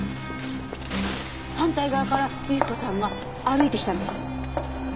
反対側から雪子さんが歩いてきたんです。